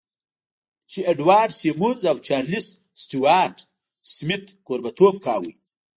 جې اډوارډ سیمونز او چارلیس سټیوارټ سمیت کوربهتوب کاوه